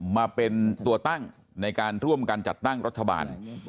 มาเป็นตัวตั้งในการร่วมกันจัดตั้งรัฐบาล